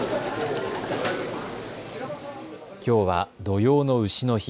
きょうは土用のうしの日。